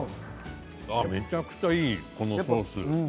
めちゃくちゃいいこのソース。